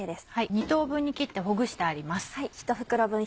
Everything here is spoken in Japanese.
２等分に切ってほぐしてあります。